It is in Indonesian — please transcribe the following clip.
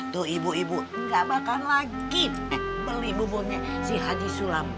tuh ibu ibu gak makan lagi beli buburnya si haji sulam